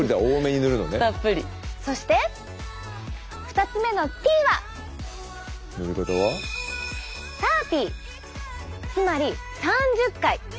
そして２つ目のＴはＴｈｉｒｔｙつまり３０回！